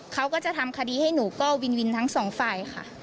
เขาก็จะทำคดีให้หนูก็วินวินทั้งสองฝ่ายค่ะ